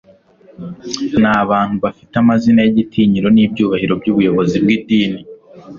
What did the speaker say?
n'abantu bafite amazina y'igitinyiro n'ibyubahiro by'ubuyobozi bw'idini